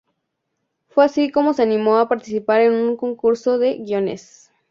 Fue así como se animó a participar en un concurso de guiones.